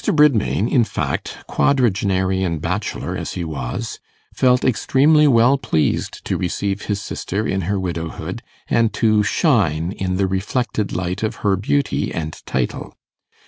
Bridmain, in fact, quadragenarian bachelor as he was, felt extremely well pleased to receive his sister in her widowhood, and to shine in the reflected light of her beauty and title.